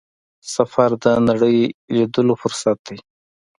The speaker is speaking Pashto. سفر د نړۍ لیدلو فرصت دی.